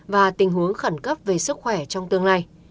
và tình huống khẩn cấp về sức khỏe trong tương lai